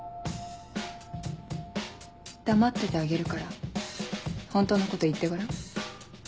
黙っててあげるから本当のこと言ってごらん。